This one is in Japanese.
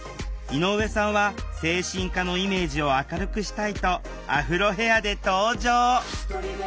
井上さんは精神科のイメージを明るくしたいとアフロヘアで登場！